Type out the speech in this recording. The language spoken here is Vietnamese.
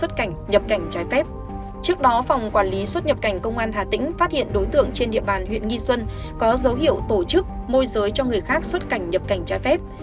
trước đó phòng quản lý xuất nhập cảnh công an hà tĩnh phát hiện đối tượng trên địa bàn huyện nghi xuân có dấu hiệu tổ chức môi giới cho người khác xuất cảnh nhập cảnh trái phép